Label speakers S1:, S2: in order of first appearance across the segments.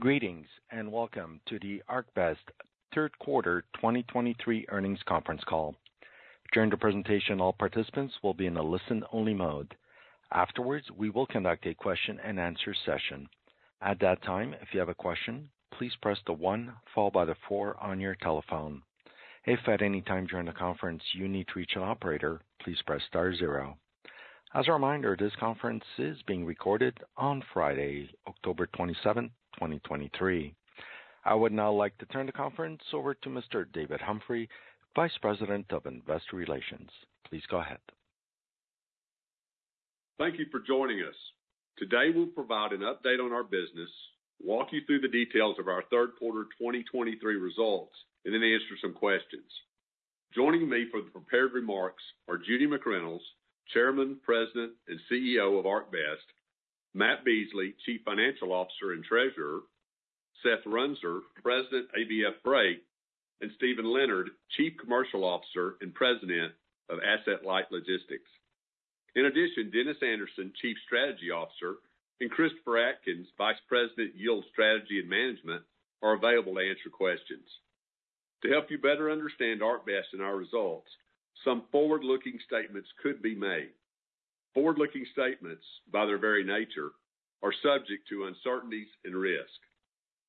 S1: Greetings, and welcome to the ArcBest Third Quarter 2023 Earnings Conference Call. During the presentation, all participants will be in a listen-only mode. Afterwards, we will conduct a question-and-answer session. At that time, if you have a question, please press the one followed by the four on your telephone. If at any time during the conference you need to reach an operator, please press star zero. As a reminder, this conference is being recorded on Friday, October 27th, 2023. I would now like to turn the conference over to Mr. David Humphrey, Vice President of Investor Relations. Please go ahead.
S2: Thank you for joining us. Today, we'll provide an update on our business, walk you through the details of our third quarter 2023 results, and then answer some questions. Joining me for the prepared remarks are Judy McReynolds, Chairman, President, and CEO of ArcBest; Matt Beasley, Chief Financial Officer and Treasurer; Seth Runser, President, ABF Freight; and Steven Leonard, Chief Commercial Officer and President of Asset-Light Logistics. In addition, Dennis Anderson, Chief Strategy Officer, and Christopher Adkins, Vice President, Yield Strategy and Management, are available to answer questions. To help you better understand ArcBest and our results, some forward-looking statements could be made. Forward-looking statements, by their very nature, are subject to uncertainties and risk.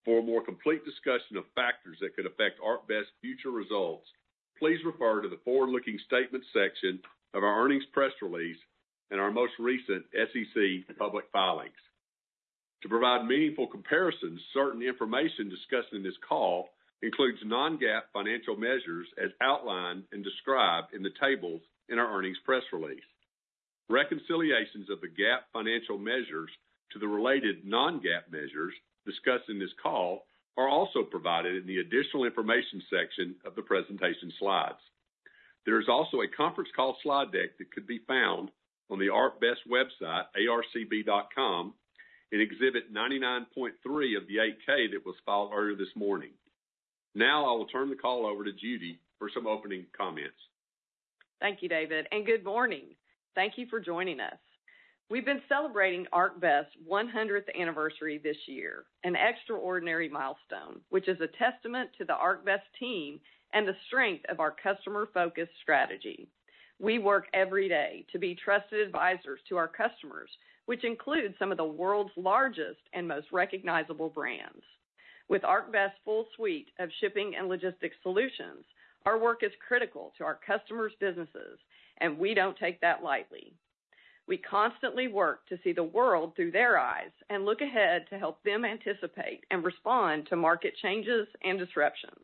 S2: For a more complete discussion of factors that could affect ArcBest's future results, please refer to the Forward-Looking Statements section of our earnings press release and our most recent SEC public filings. To provide meaningful comparisons, certain information discussed in this call includes non-GAAP financial measures as outlined and described in the tables in our earnings press release. Reconciliations of the GAAP financial measures to the related non-GAAP measures discussed in this call are also provided in the Additional Information section of the presentation slides. There is also a conference call slide deck that could be found on the ArcBest website, arcb.com, in Exhibit 99.3 of the 8-K that was filed earlier this morning. Now, I will turn the call over to Judy for some opening comments.
S3: Thank you, David, and good morning. Thank you for joining us. We've been celebrating ArcBest's 100th anniversary this year, an extraordinary milestone, which is a testament to the ArcBest team and the strength of our customer-focused strategy. We work every day to be trusted advisors to our customers, which includes some of the world's largest and most recognizable brands. With ArcBest's full suite of shipping and logistics solutions, our work is critical to our customers' businesses, and we don't take that lightly. We constantly work to see the world through their eyes and look ahead to help them anticipate and respond to market changes and disruptions.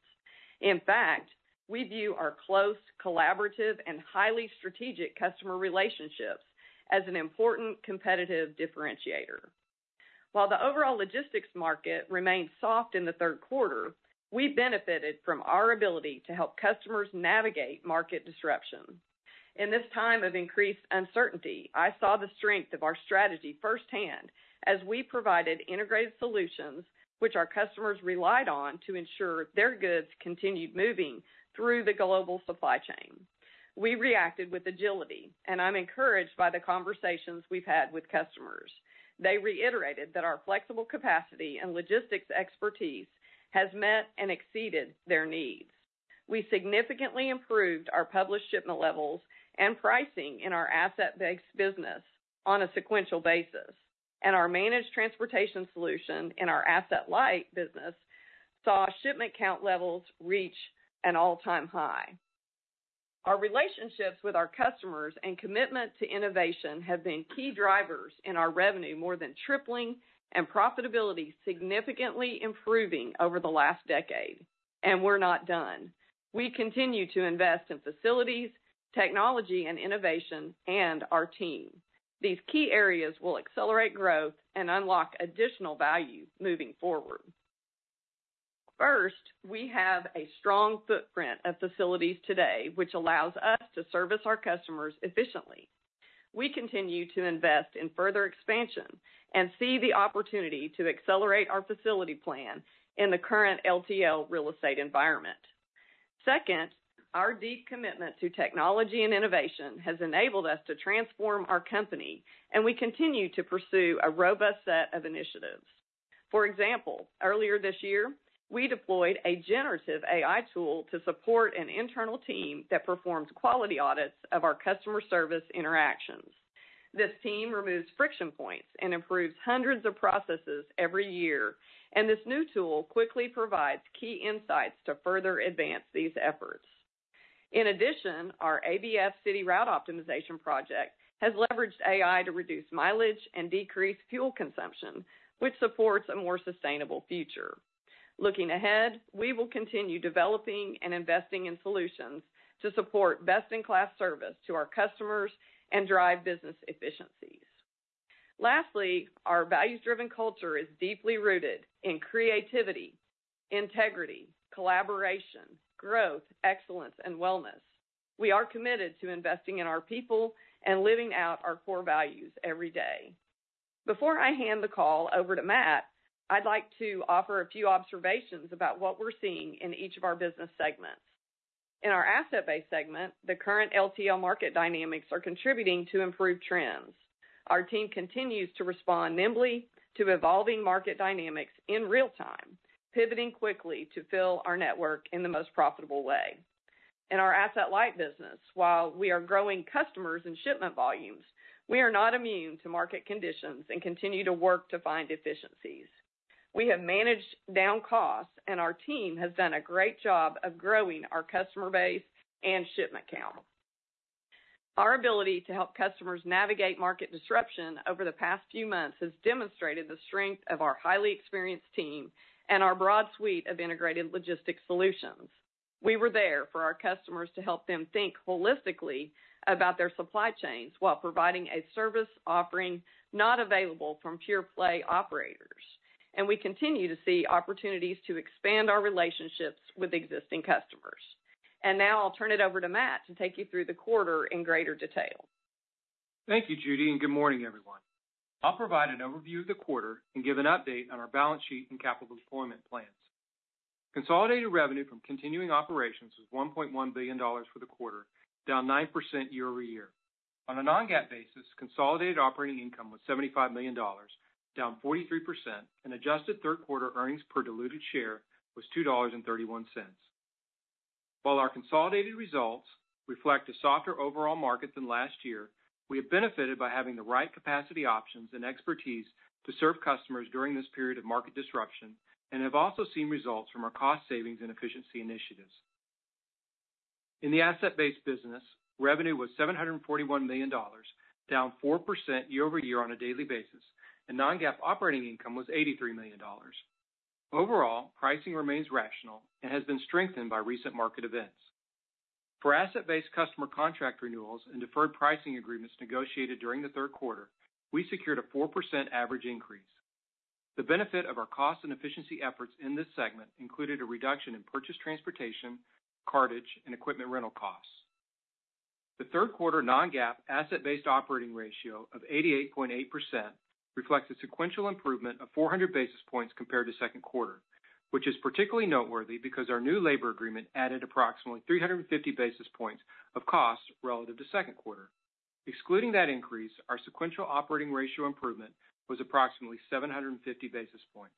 S3: In fact, we view our close, collaborative, and highly strategic customer relationships as an important competitive differentiator. While the overall logistics market remained soft in the third quarter, we benefited from our ability to help customers navigate market disruption. In this time of increased uncertainty, I saw the strength of our strategy firsthand, as we provided integrated solutions, which our customers relied on to ensure their goods continued moving through the global supply chain. We reacted with agility, and I'm encouraged by the conversations we've had with customers. They reiterated that our flexible capacity and logistics expertise has met and exceeded their needs. We significantly improved our published shipment levels and pricing in our asset-based business on a sequential basis, and our managed transportation solution in our asset-light business saw shipment count levels reach an all-time high. Our relationships with our customers and commitment to innovation have been key drivers in our revenue, more than tripling and profitability significantly improving over the last decade, and we're not done. We continue to invest in facilities, technology and innovation, and our team. These key areas will accelerate growth and unlock additional value moving forward. First, we have a strong footprint of facilities today, which allows us to service our customers efficiently. We continue to invest in further expansion and see the opportunity to accelerate our facility plan in the current LTL real estate environment. Second, our deep commitment to technology and innovation has enabled us to transform our company, and we continue to pursue a robust set of initiatives. For example, earlier this year, we deployed a Generative AI tool to support an internal team that performs quality audits of our customer service interactions. This team removes friction points and improves hundreds of processes every year, and this new tool quickly provides key insights to further advance these efforts. In addition, our ABF City Route Optimization project has leveraged AI to reduce mileage and decrease fuel consumption, which supports a more sustainable future. Looking ahead, we will continue developing and investing in solutions to support best-in-class service to our customers and drive business efficiencies. Lastly, our values-driven culture is deeply rooted in creativity, integrity, collaboration, growth, excellence, and wellness. We are committed to investing in our people and living out our core values every day. Before I hand the call over to Matt, I'd like to offer a few observations about what we're seeing in each of our business segments. In our asset-based segment, the current LTL market dynamics are contributing to improved trends. Our team continues to respond nimbly to evolving market dynamics in real time, pivoting quickly to fill our network in the most profitable way. In our Asset-Light business, while we are growing customers and shipment volumes, we are not immune to market conditions and continue to work to find efficiencies. We have managed down costs, and our team has done a great job of growing our customer base and shipment count. Our ability to help customers navigate market disruption over the past few months has demonstrated the strength of our highly experienced team and our broad suite of integrated logistics solutions. We were there for our customers to help them think holistically about their supply chains, while providing a service offering not available from pure play operators, and we continue to see opportunities to expand our relationships with existing customers. Now I'll turn it over to Matt to take you through the quarter in greater detail.
S4: Thank you, Judy, and good morning, everyone. I'll provide an overview of the quarter and give an update on our balance sheet and capital deployment plans. Consolidated revenue from continuing operations was $1.1 billion for the quarter, down 9% year over year. On a non-GAAP basis, consolidated operating income was $75 million, down 43%, and adjusted third quarter earnings per diluted share was $2.31. While our consolidated results reflect a softer overall market than last year, we have benefited by having the right capacity options and expertise to serve customers during this period of market disruption, and have also seen results from our cost savings and efficiency initiatives. In the Asset-Based business, revenue was $741 million, down 4% year over year on a daily basis, and non-GAAP operating income was $83 million. Overall, pricing remains rational and has been strengthened by recent market events. For asset-based customer contract renewals and deferred pricing agreements negotiated during the third quarter, we secured a 4% average increase. The benefit of our cost and efficiency efforts in this segment included a reduction in purchase transportation, cartage, and equipment rental costs. The third quarter non-GAAP asset-based operating ratio of 88.8% reflects a sequential improvement of 400 basis points compared to second quarter, which is particularly noteworthy because our new labor agreement added approximately 350 basis points of cost relative to second quarter. Excluding that increase, our sequential operating ratio improvement was approximately 750 basis points.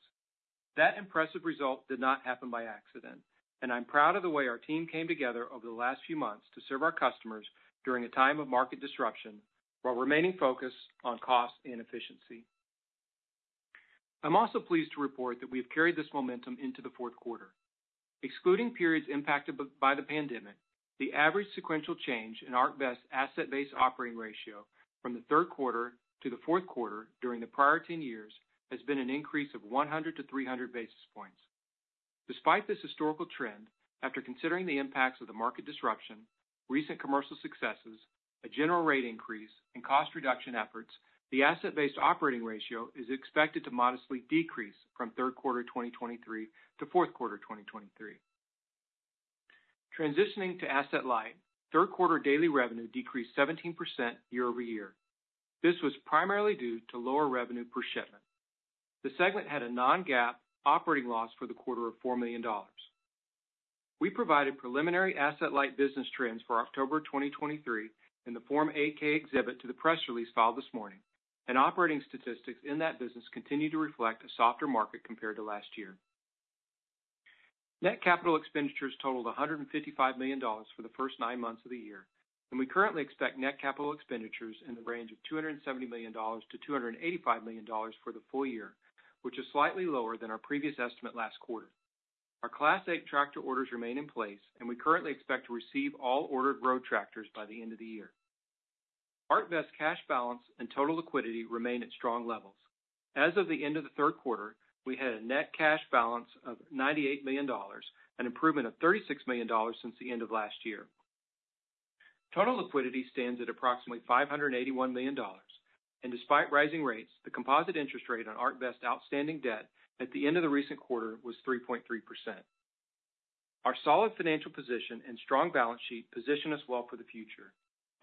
S4: That impressive result did not happen by accident, and I'm proud of the way our team came together over the last few months to serve our customers during a time of market disruption, while remaining focused on cost and efficiency. I'm also pleased to report that we have carried this momentum into the fourth quarter. Excluding periods impacted by the pandemic, the average sequential change in ArcBest asset-based operating ratio from the third quarter to the fourth quarter during the prior 10 years has been an increase of 100-300 basis points. Despite this historical trend, after considering the impacts of the market disruption, recent commercial successes, a general rate increase, and cost reduction efforts, the asset-based operating ratio is expected to modestly decrease from third quarter of 2023 to fourth quarter of 2023. Transitioning to Asset-Light, third quarter daily revenue decreased 17% year-over-year. This was primarily due to lower revenue per shipment. The segment had a Non-GAAP operating loss for the quarter of $4 million. We provided preliminary Asset-Light business trends for October 2023 in the Form 8-K exhibit to the press release filed this morning, and operating statistics in that business continue to reflect a softer market compared to last year. Net capital expenditures totaled $155 million for the first nine months of the year, and we currently expect net capital expenditures in the range of $270 million-$285 million for the full year, which is slightly lower than our previous estimate last quarter. Our Class A tractor orders remain in place, and we currently expect to receive all ordered road tractors by the end of the year. ArcBest cash balance and total liquidity remain at strong levels. As of the end of the third quarter, we had a net cash balance of $98 million, an improvement of $36 million since the end of last year. Total liquidity stands at approximately $581 million, and despite rising rates, the composite interest rate on ArcBest outstanding debt at the end of the recent quarter was 3.3%. Our solid financial position and strong balance sheet position us well for the future.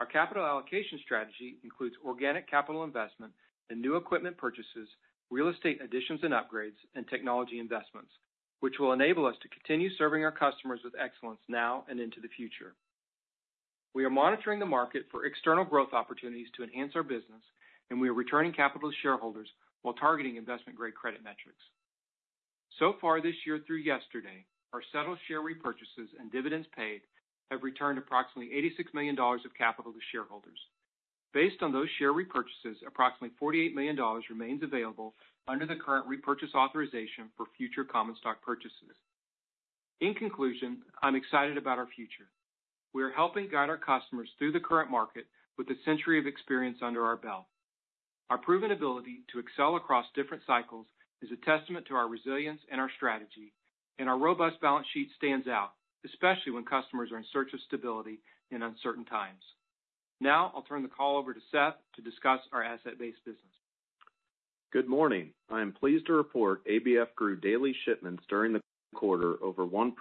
S4: Our capital allocation strategy includes organic capital investment and new equipment purchases, real estate additions and upgrades, and technology investments, which will enable us to continue serving our customers with excellence now and into the future. We are monitoring the market for external growth opportunities to enhance our business, and we are returning capital to shareholders while targeting investment-grade credit metrics. So far this year through yesterday, our settled share repurchases and dividends paid have returned approximately $86 million of capital to shareholders. Based on those share repurchases, approximately $48 million remains available under the current repurchase authorization for future common stock purchases. In conclusion, I'm excited about our future. We are helping guide our customers through the current market with a century of experience under our belt. Our proven ability to excel across different cycles is a testament to our resilience and our strategy, and our robust balance sheet stands out, especially when customers are in search of stability in uncertain times. Now, I'll turn the call over to Seth to discuss our asset-based business.
S5: Good morning. I am pleased to report ABF grew daily shipments during the quarter over 1%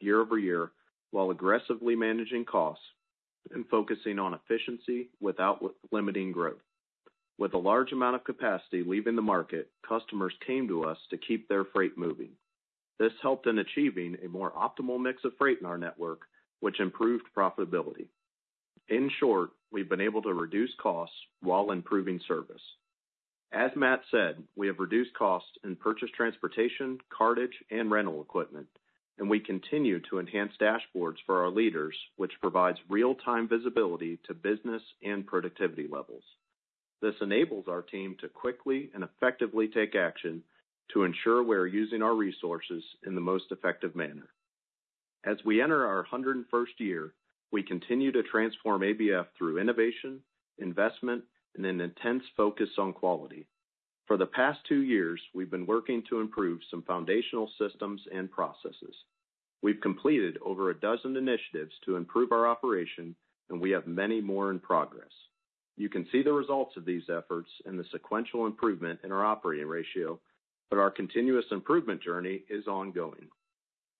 S5: year-over-year, while aggressively managing costs and focusing on efficiency without limiting growth.... With a large amount of capacity leaving the market, customers came to us to keep their freight moving. This helped in achieving a more optimal mix of freight in our network, which improved profitability. In short, we've been able to reduce costs while improving service. As Matt said, we have reduced costs in purchase, transportation, cartage, and rental equipment, and we continue to enhance dashboards for our leaders, which provides real-time visibility to business and productivity levels. This enables our team to quickly and effectively take action to ensure we are using our resources in the most effective manner. As we enter our 101st year, we continue to transform ABF through innovation, investment, and an intense focus on quality. For the past two years, we've been working to improve some foundational systems and processes. We've completed over a dozen initiatives to improve our operation, and we have many more in progress. You can see the results of these efforts in the sequential improvement in our operating ratio, but our continuous improvement journey is ongoing.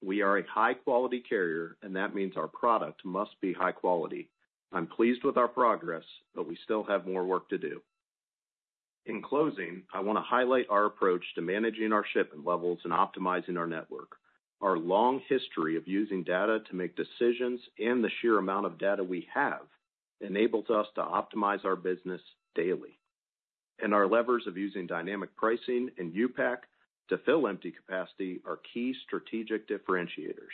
S5: We are a high-quality carrier, and that means our product must be high quality. I'm pleased with our progress, but we still have more work to do. In closing, I want to highlight our approach to managing our shipment levels and optimizing our network. Our long history of using data to make decisions and the sheer amount of data we have, enables us to optimize our business daily. Our levers of using dynamic pricing and U-Pack to fill empty capacity are key strategic differentiators.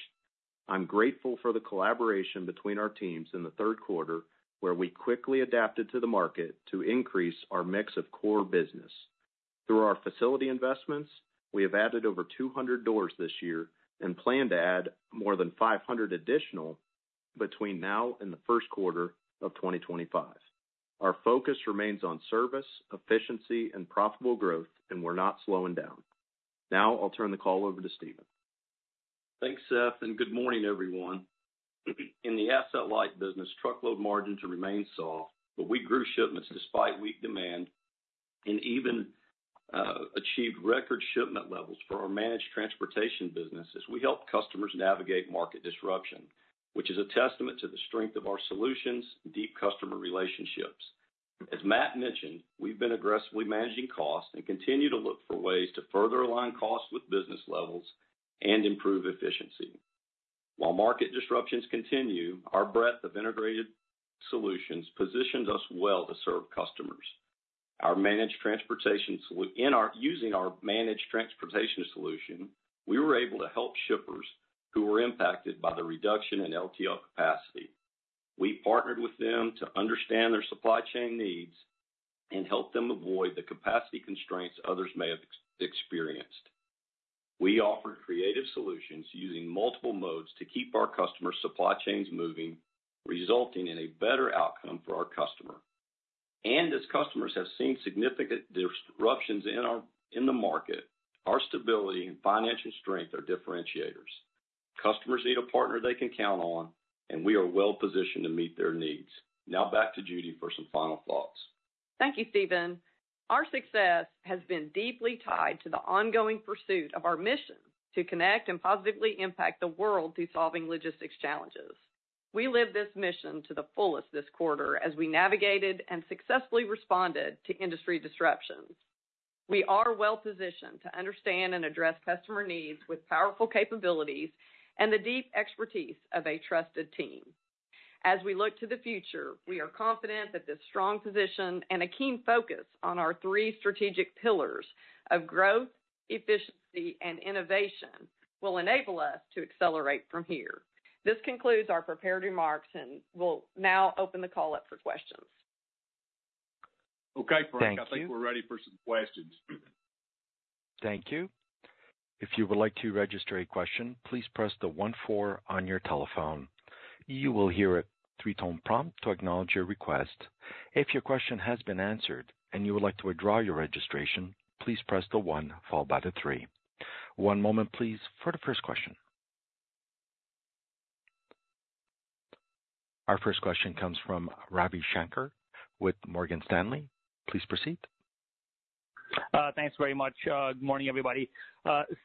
S5: I'm grateful for the collaboration between our teams in the third quarter, where we quickly adapted to the market to increase our mix of core business. Through our facility investments, we have added over 200 doors this year and plan to add more than 500 additional between now and the first quarter of 2025. Our focus remains on service, efficiency, and profitable growth, and we're not slowing down. Now I'll turn the call over to Steven.
S6: Thanks, Seth, and good morning, everyone. In the Asset-Light business, truckload margins remain soft, but we grew shipments despite weak demand and even achieved record shipment levels for our managed transportation business as we helped customers navigate market disruption, which is a testament to the strength of our solutions, deep customer relationships. As Matt mentioned, we've been aggressively managing costs and continue to look for ways to further align costs with business levels and improve efficiency. While market disruptions continue, our breadth of integrated solutions positions us well to serve customers. Using our managed transportation solution, we were able to help shippers who were impacted by the reduction in LTL capacity. We partnered with them to understand their supply chain needs and help them avoid the capacity constraints others may have experienced. We offered creative solutions using multiple modes to keep our customers' supply chains moving, resulting in a better outcome for our customer. As customers have seen significant disruptions in the market, our stability and financial strength are differentiators. Customers need a partner they can count on, and we are well positioned to meet their needs. Now back to Judy for some final thoughts.
S3: Thank you, Steven. Our success has been deeply tied to the ongoing pursuit of our mission to connect and positively impact the world through solving logistics challenges. We lived this mission to the fullest this quarter as we navigated and successfully responded to industry disruptions. We are well positioned to understand and address customer needs with powerful capabilities and the deep expertise of a trusted team. As we look to the future, we are confident that this strong position and a keen focus on our three strategic pillars of growth, efficiency, and innovation will enable us to accelerate from here. This concludes our prepared remarks, and we'll now open the call up for questions.
S6: Okay, Frank, I think we're ready for some questions.
S1: Thank you. If you would like to register a question, please press the one four on your telephone. You will hear a three-tone prompt to acknowledge your request. If your question has been answered and you would like to withdraw your registration, please press the one followed by the three. One moment, please, for the first question. Our first question comes from Ravi Shanker with Morgan Stanley. Please proceed.
S7: Thanks very much. Good morning, everybody.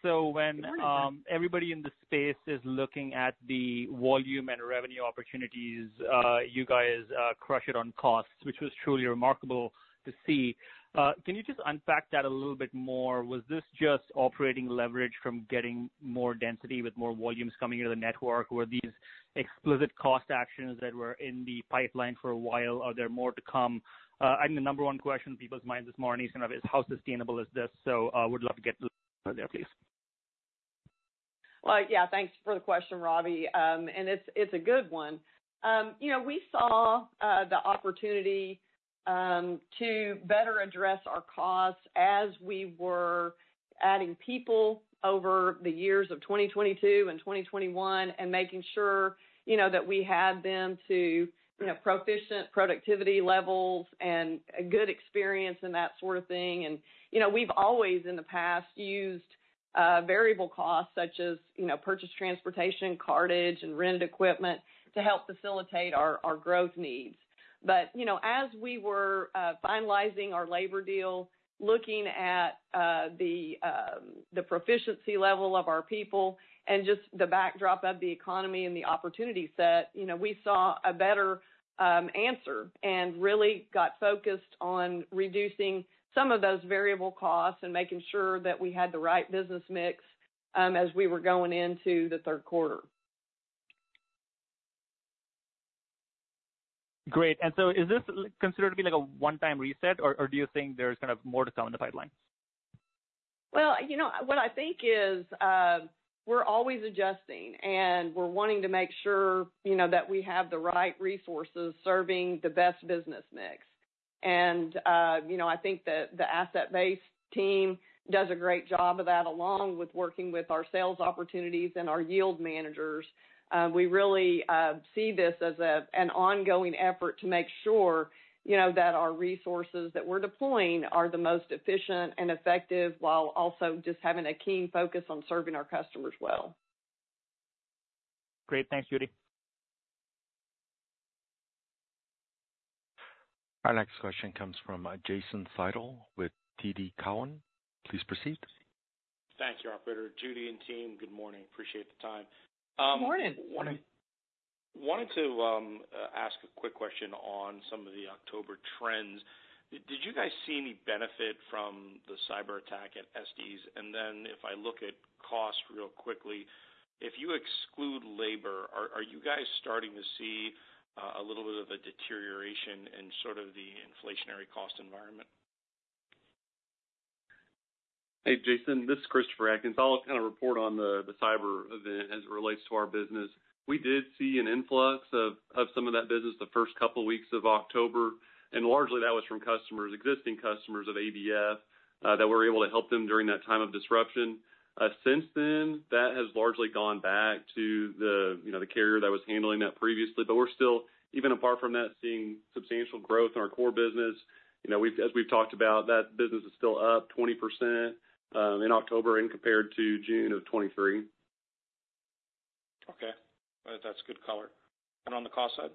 S7: So when everybody in this space is looking at the volume and revenue opportunities, you guys crush it on costs, which was truly remarkable to see. Can you just unpack that a little bit more? Was this just operating leverage from getting more density with more volumes coming into the network? Were these explicit cost actions that were in the pipeline for a while? Are there more to come? I think the number one question on people's minds this morning is, how sustainable is this? So, would love to get there, please.
S3: Well, yeah, thanks for the question, Ravi. And it's a good one. You know, we saw the opportunity to better address our costs as we were adding people over the years of 2022 and 2021, and making sure, you know, that we had them to, you know, proficient productivity levels and a good experience and that sort of thing. And, you know, we've always in the past used variable costs such as, you know, purchase transportation, cartage, and rented equipment to help facilitate our growth needs. But, you know, as we were finalizing our labor deal, looking at the proficiency level of our people and just the backdrop of the economy and the opportunity set, you know, we saw a better answer and really got focused on reducing some of those variable costs and making sure that we had the right business mix, as we were going into the third quarter.
S7: Great. So is this considered to be like a one-time reset, or, or do you think there's kind of more to come in the pipeline?
S3: Well, you know, what I think is, we're always adjusting, and we're wanting to make sure, you know, that we have the right resources serving the best business mix. And, you know, I think the Asset-Based team does a great job of that, along with working with our sales opportunities and our yield managers. We really see this as an ongoing effort to make sure, you know, that our resources that we're deploying are the most efficient and effective, while also just having a keen focus on serving our customers well.
S7: Great. Thanks, Judy.
S1: Our next question comes from Jason Seidel with TD Cowen. Please proceed.
S8: Thank you, operator. Judy and team, good morning. Appreciate the time.
S3: Good morning.
S8: Morning. Wanted to ask a quick question on some of the October trends. Did you guys see any benefit from the cyberattack at Estes? And then if I look at cost real quickly, if you exclude labor, are you guys starting to see a little bit of a deterioration in sort of the inflationary cost environment?
S9: Hey, Jason, this is Christopher Adkins. I'll kind of report on the cyber event as it relates to our business. We did see an influx of some of that business the first couple of weeks of October, and largely that was from customers, existing customers of ABF, that were able to help them during that time of disruption. Since then, that has largely gone back to the, you know, the carrier that was handling that previously. But we're still, even apart from that, seeing substantial growth in our core business. You know, we've, as we've talked about, that business is still up 20%, in October and compared to June of 2023.
S8: Okay. Well, that's good color. And on the cost side?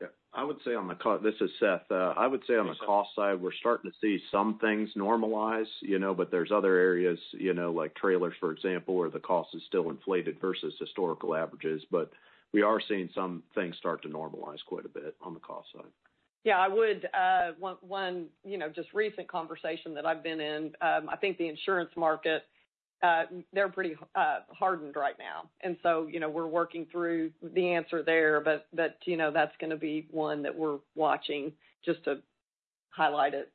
S5: Yeah, I would say on the cost side—this is Seth. I would say on the cost side, we're starting to see some things normalize, you know, but there's other areas, you know, like trailers, for example, where the cost is still inflated versus historical averages. But we are seeing some things start to normalize quite a bit on the cost side.
S3: Yeah, I would, you know, just recent conversation that I've been in, I think the insurance market, they're pretty, hardened right now, and so, you know, we're working through the answer there. But, you know, that's going to be one that we're watching, just to highlight it.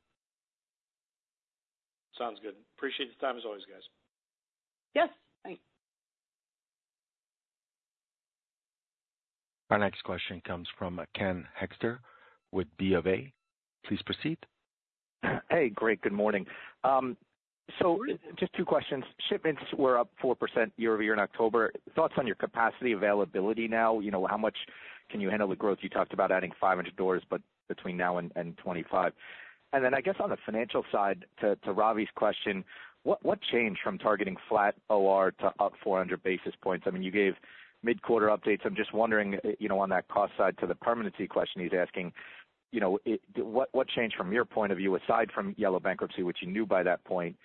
S8: Sounds good. Appreciate the time, as always, guys.
S3: Yes, thanks.
S1: Our next question comes from Ken Hoexter with BofA. Please proceed.
S10: Hey, great. Good morning. Just two questions. Shipments were up 4% year-over-year in October. Thoughts on your capacity availability now, you know, how much can you handle the growth? You talked about adding 500 doors, but between now and, and 25. I guess, on the financial side, to Ravi's question, what changed from targeting flat OR to up 400 basis points? I mean, you gave mid-quarter updates. I'm just wondering, you know, on that cost side to the permanency question he's asking, you know, what changed from your point of view, aside from Yellow bankruptcy, which you knew by that point,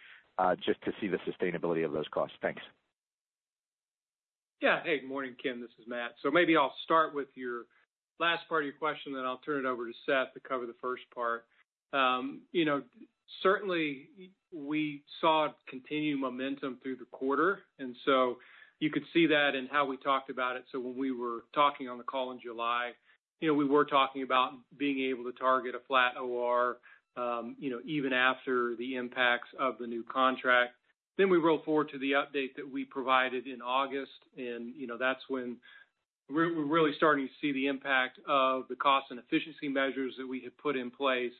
S10: just to see the sustainability of those costs? Thanks.
S4: Yeah. Hey, good morning, Ken. This is Matt. So maybe I'll start with your last part of your question, then I'll turn it over to Seth to cover the first part. You know, certainly we saw continued momentum through the quarter, and so you could see that in how we talked about it. So when we were talking on the call in July, you know, we were talking about being able to target a flat OR, you know, even after the impacts of the new contract. Then we roll forward to the update that we provided in August, and, you know, that's when we're really starting to see the impact of the cost and efficiency measures that we had put in place.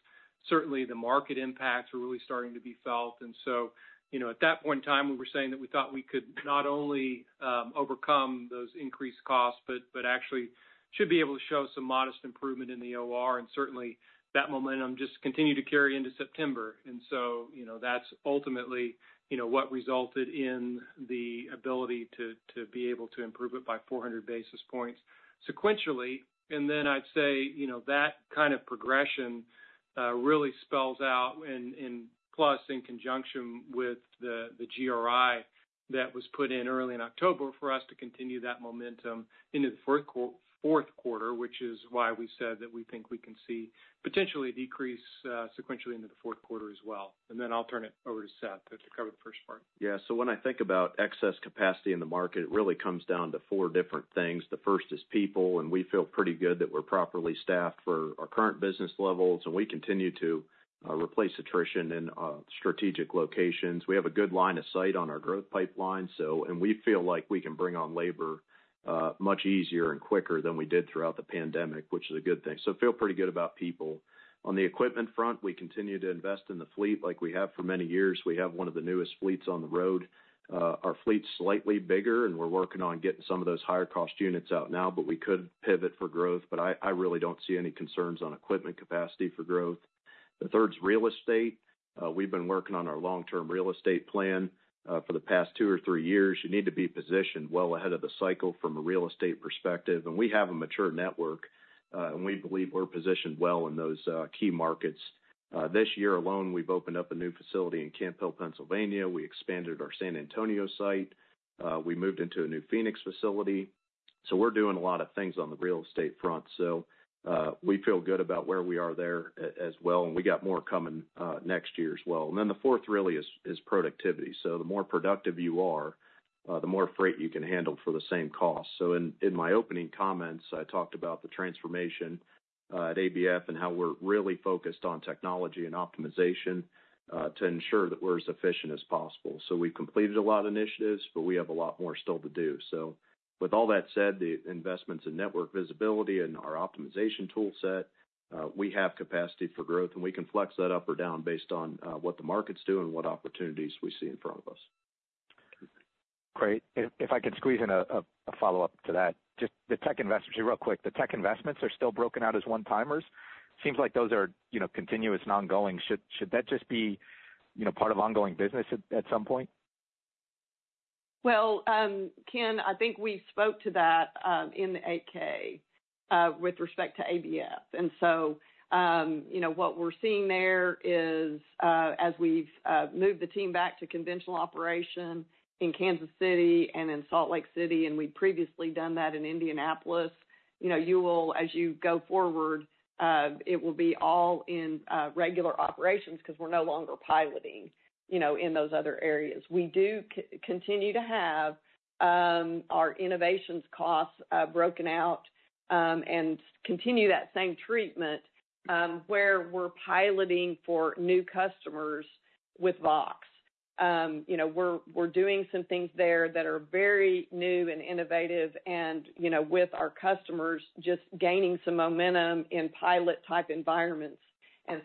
S4: Certainly, the market impacts are really starting to be felt. And so, you know, at that point in time, we were saying that we thought we could not only overcome those increased costs, but, but actually should be able to show some modest improvement in the OR. And certainly, that momentum just continued to carry into September. And so, you know, that's ultimately, you know, what resulted in the ability to be able to improve it by 400 basis points sequentially. And then I'd say, you know, that kind of progression really spells out in close conjunction with the GRI that was put in early in October for us to continue that momentum into the fourth quarter, which is why we said that we think we can see potentially a decrease sequentially into the fourth quarter as well. And then I'll turn it over to Seth to cover the first part.
S5: Yeah. So when I think about excess capacity in the market, it really comes down to four different things. The first is people, and we feel pretty good that we're properly staffed for our current business levels, and we continue to replace attrition in strategic locations. We have a good line of sight on our growth pipeline, so, and we feel like we can bring on labor much easier and quicker than we did throughout the pandemic, which is a good thing. So feel pretty good about people. On the equipment front, we continue to invest in the fleet like we have for many years. We have one of the newest fleets on the road. Our fleet's slightly bigger, and we're working on getting some of those higher-cost units out now, but we could pivot for growth, but I, I really don't see any concerns on equipment capacity for growth. The third is real estate. We've been working on our long-term real estate plan for the past two or three years. You need to be positioned well ahead of the cycle from a real estate perspective. And we have a mature network, and we believe we're positioned well in those key markets. This year alone, we've opened up a new facility in Camp Hill, Pennsylvania. We expanded our San Antonio site. We moved into a new Phoenix facility. So we're doing a lot of things on the real estate front. So, we feel good about where we are there as well, and we got more coming, next year as well. And then the fourth really is productivity. So the more productive you are, the more freight you can handle for the same cost. So in my opening comments, I talked about the transformation at ABF and how we're really focused on technology and optimization to ensure that we're as efficient as possible. So we've completed a lot of initiatives, but we have a lot more still to do. So with all that said, the investments in network visibility and our optimization tool set, we have capacity for growth, and we can flex that up or down based on what the market's doing and what opportunities we see in front of us.
S10: Great. If I could squeeze in a follow-up to that. Just the tech investments, real quick, the tech investments are still broken out as one-timers? Seems like those are, you know, continuous and ongoing. Should that just be, you know, part of ongoing business at some point?
S3: Well, Ken, I think we spoke to that in the 8-K with respect to ABF. And so, you know, what we're seeing there is as we've moved the team back to conventional operation in Kansas City and in Salt Lake City, and we'd previously done that in Indianapolis, you know, you will, as you go forward, it will be all in regular operations because we're no longer piloting, you know, in those other areas. We do continue to have our innovations costs broken out and continue that same treatment where we're piloting for new customers with Vaux. You know, we're doing some things there that are very new and innovative and, you know, with our customers, just gaining some momentum in pilot-type environments.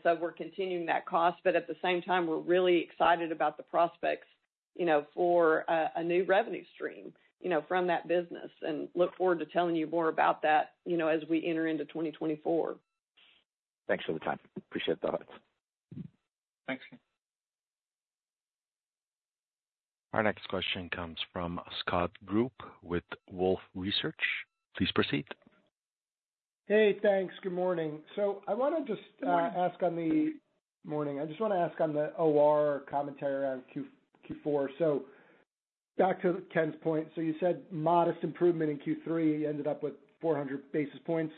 S3: So we're continuing that cost, but at the same time, we're really excited about the prospects, you know, for a new revenue stream, you know, from that business, and look forward to telling you more about that, you know, as we enter into 2024.
S10: Thanks for the time. Appreciate the thoughts.
S5: Thanks, Ken.
S1: Our next question comes from Scott Group with Wolfe Research. Please proceed.
S11: Hey, thanks. Good morning. So I want to just-
S5: Good morning.
S11: Morning. I just want to ask on the OR commentary around Q4. Back to Ken's point, you said modest improvement in Q3, ended up with 400 basis points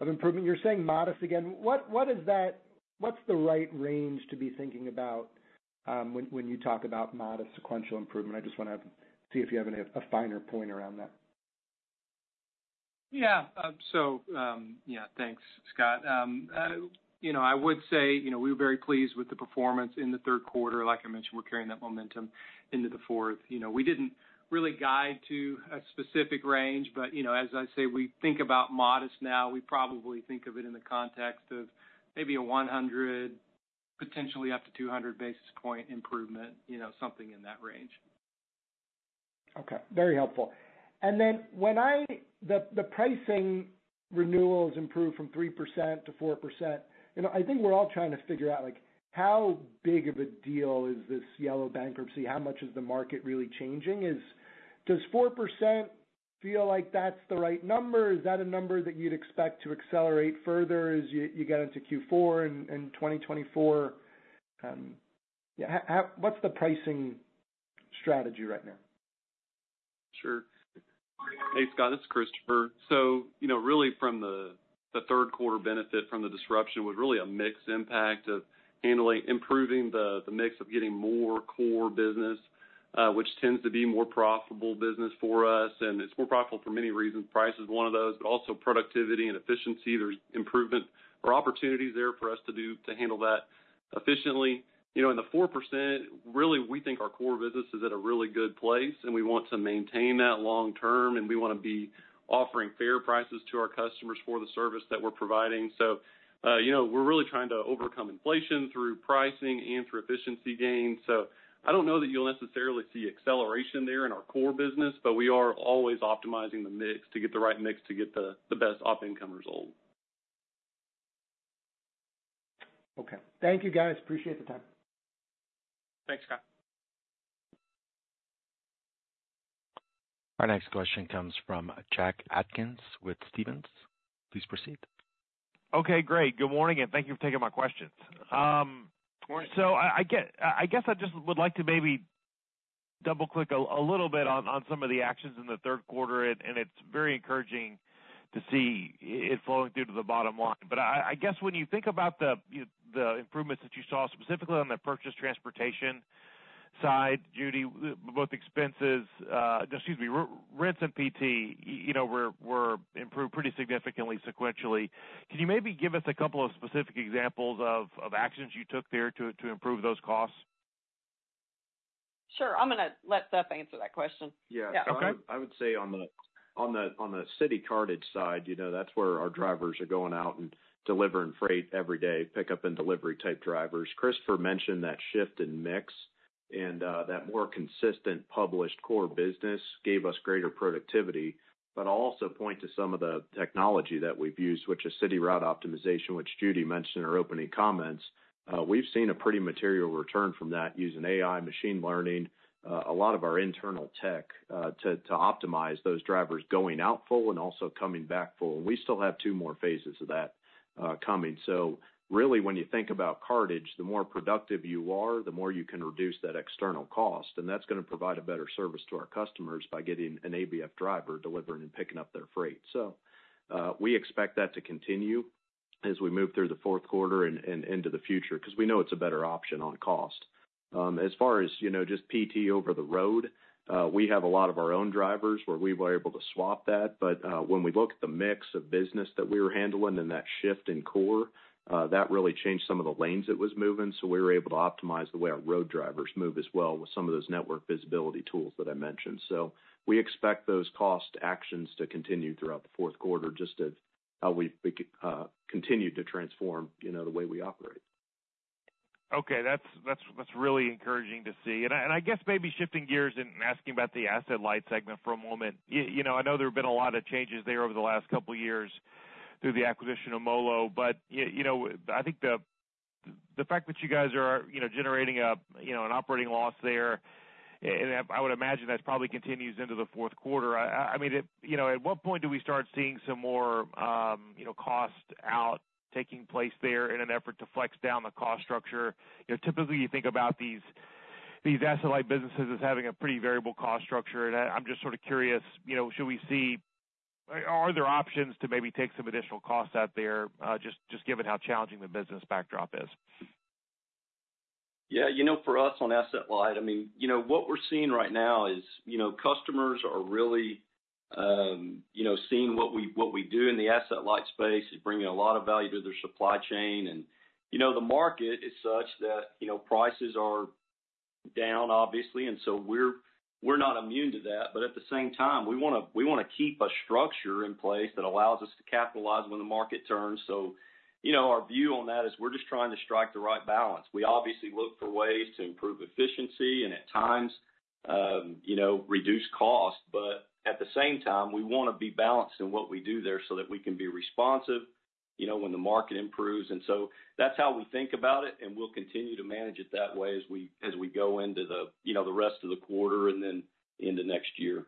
S11: of improvement. You're saying modest again. What is that? What's the right range to be thinking about, when you talk about modest sequential improvement? I just want to see if you have any, a finer point around that.
S5: Yeah. So, yeah, thanks, Scott. You know, I would say, you know, we were very pleased with the performance in the third quarter. Like I mentioned, we're carrying that momentum into the fourth. You know, we didn't really guide to a specific range, but, you know, as I say, we think about modest now. We probably think of it in the context of maybe a 100-200 basis point improvement, you know, something in that range.
S11: Okay, very helpful. The pricing renewals improved from 3%-4%. You know, I think we're all trying to figure out, like, how big of a deal is this Yellow bankruptcy? How much is the market really changing? Does 4% feel like that's the right number? Is that a number that you'd expect to accelerate further as you get into Q4 and 2024? What's the pricing strategy right now?
S9: Sure. Hey, Scott, this is Christopher. So, you know, really from the, the third quarter benefit from the disruption was really a mixed impact of handling, improving the, the mix of getting more core business, which tends to be more profitable business for us, and it's more profitable for many reasons. Price is one of those, but also productivity and efficiency. There's improvement or opportunities there for us to do, to handle that efficiently. You know, in the 4%, really, we think our core business is at a really good place, and we want to maintain that long term, and we want to be offering fair prices to our customers for the service that we're providing. So, you know, we're really trying to overcome inflation through pricing and through efficiency gains. I don't know that you'll necessarily see acceleration there in our core business, but we are always optimizing the mix to get the right mix to get the best op income result.
S11: Okay. Thank you, guys. Appreciate the time.
S5: Thanks, Scott.
S1: Our next question comes from Jack Atkins with Stephens. Please proceed.
S12: Okay, great. Good morning, and thank you for taking my questions.
S5: Good morning.
S12: I guess I just would like to maybe double-click a little bit on some of the actions in the third quarter, and it's very encouraging to see it flowing through to the bottom line. I guess when you think about the improvements that you saw, specifically on the purchase transportation side, Judy, both expenses, excuse me, re-rents and PT, you know, were improved pretty significantly sequentially. Can you maybe give us a couple of specific examples of actions you took there to improve those costs?
S3: Sure. I'm going to let Seth answer that question.
S5: Yeah.
S12: Okay.
S5: I would say on the city cartage side, you know, that's where our drivers are going out and delivering freight every day, pickup and delivery type drivers. Christopher mentioned that shift in mix, and that more consistent published core business gave us greater productivity. But I'll also point to some of the technology that we've used, which is city route optimization, which Judy mentioned in her opening comments. We've seen a pretty material return from that using AI machine learning, a lot of our internal tech, to optimize those drivers going out full and also coming back full. And we still have two more phases of that coming. So really, when you think about cartage, the more productive you are, the more you can reduce that external cost, and that's going to provide a better service to our customers by getting an ABF driver delivering and picking up their freight. So, we expect that to continue as we move through the fourth quarter and into the future, because we know it's a better option on cost. As far as, you know, just PT over the road, we have a lot of our own drivers where we were able to swap that. But, when we look at the mix of business that we were handling and that shift in core, that really changed some of the lanes it was moving. So we were able to optimize the way our road drivers move as well with some of those network visibility tools that I mentioned. So we expect those cost actions to continue throughout the fourth quarter, just as how we continue to transform, you know, the way we operate.
S12: Okay, that's really encouraging to see. And I guess maybe shifting gears and asking about the Asset-Light segment for a moment. You know, I know there have been a lot of changes there over the last couple of years through the acquisition of MoLo, but you know, I think the fact that you guys are generating an operating loss there, and I would imagine that probably continues into the fourth quarter. I mean, it. You know, at what point do we start seeing some more, you know, cost out taking place there in an effort to flex down the cost structure? You know, typically, you think about these Asset-Light businesses as having a pretty variable cost structure. I'm just sort of curious, you know, are there options to maybe take some additional costs out there, just, just given how challenging the business backdrop is?
S5: Yeah, you know, for us on Asset-Light, I mean, you know, what we're seeing right now is, you know, customers are really, you know, seeing what we, what we do in the Asset-Light space is bringing a lot of value to their supply chain. And, you know, the market is such that, you know, prices are down, obviously, and so we're, we're not immune to that. But at the same time, we want to, we want to keep a structure in place that allows us to capitalize when the market turns. So, you know, our view on that is we're just trying to strike the right balance. We obviously look for ways to improve efficiency and at times, you know, reduce cost, but at the same time, we want to be balanced in what we do there so that we can be responsive, you know, when the market improves. And so that's how we think about it, and we'll continue to manage it that way as we go into the, you know, the rest of the quarter and then into next year.